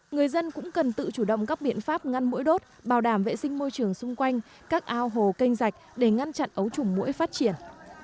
người dân cũng cần tự chủ động các biện pháp ngăn mũi đốt bảo đảm vệ sinh môi trường xung quanh các ao hồ canh rạch để ngăn chặn ấu trùng mũi phát triển